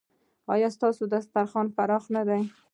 ایا ستاسو دسترخوان پراخ نه دی؟